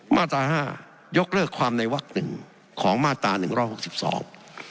มาตราห้ายกเลิกความในวักหนึ่งของมาตราหนึ่งร้อยหกสิบสอง